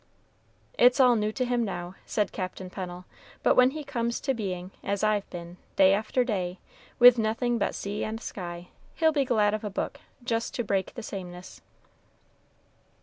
"It's all new to him now," said Captain Pennel; "but when he comes to being, as I've been, day after day, with nothing but sea and sky, he'll be glad of a book, just to break the sameness."